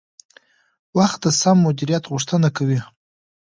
وخت د سم مدیریت غوښتنه کوي